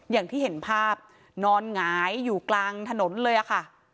อย่างที่เห็นภาพนอนหงายอยู่กลางถนนเลยอะค่ะ